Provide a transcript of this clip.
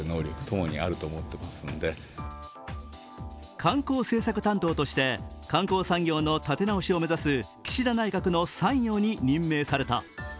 観光政策担当として観光産業の立て直しを目指す岸田内閣の参与に任命された。